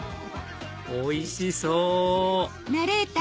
おいしそう！